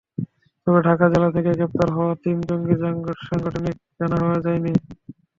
তবে ঢাকা জেলা থেকে গ্রেপ্তার হওয়া তিন জঙ্গির সাংগঠনিক পরিচয় জানা যায়নি।